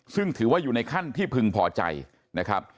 ซึ่งถือว่าอยู่ในขั้นที่พึงพอใจนะครับ